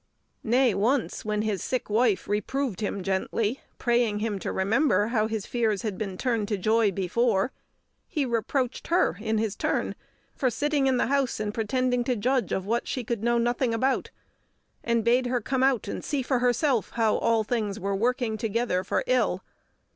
Nay, once, when his sick wife reproved him gently, praying him to remember how his fears had been turned to joy before, he reproached her in his turn for sitting in the house and pretending to judge of what she could know nothing about, and bade her come out and see for herself how all things were working together for ill.